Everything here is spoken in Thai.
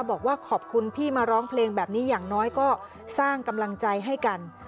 บอกว่าขอบคุณที่มาร้องเพลงแบบนี้อย่างน้อยก็สร้างกำลังใจให้กัน